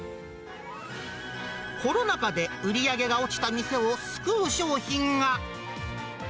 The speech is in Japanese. コロナ禍で売り上げが落ちた店を救う商品が。